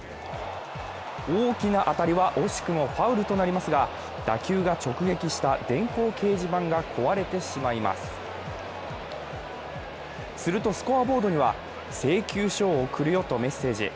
大きな当たりは惜しくもファウルとなりますが、打球が直撃した電光掲示板が壊れてしまいますすると、スコアボードには、請求書を送るよとメッセージ。